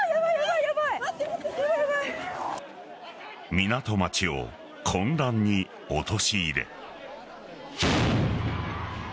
港町を混乱に陥れ。